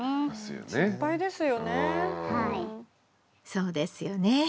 そうですよね。